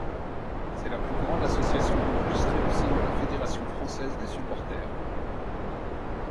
C’est la plus grande association enregistrée au sein de la Fédération Française des Supporters.